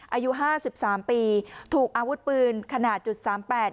อายุห้าสิบสามปีถูกอาวุธปืนขนาดจุดสามแปด